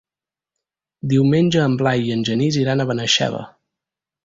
Diumenge en Blai i en Genís iran a Benaixeve.